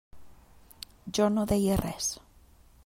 Jo no deia res.